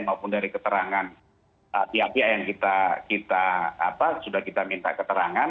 maupun dari keterangan pihak pihak yang sudah kita minta keterangan